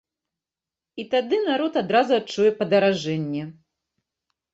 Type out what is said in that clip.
І тады народ адразу адчуе падаражэнні.